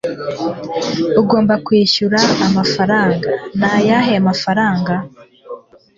"Ugomba kwishyura amafaranga." "Ni ayahe mafaranga?"